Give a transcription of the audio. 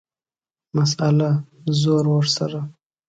مسئله ، زور ورسره.